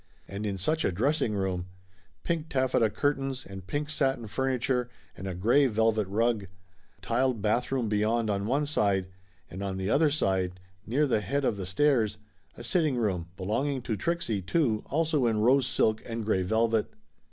And in such a dressing room ! Pink taffeta curtains and pink satin furniture, and a gray velvet rug. A tiled bathroom beyond on one side, and on the other side, near the head of the 166 Laughter Limited stairs, a sitting room, belonging to Trixie, too, also in rose silk and gray velvet.